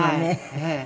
ええ。